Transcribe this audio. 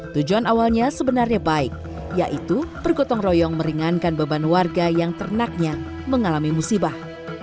tujuan awalnya sebenarnya baik yaitu bergotong royong meringankan beban warga yang ternaknya mengalami musibah